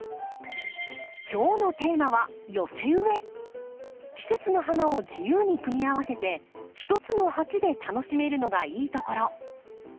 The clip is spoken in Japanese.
今日のテーマは季節の花を自由に組み合わせて一つの鉢で楽しめるのがいいところ。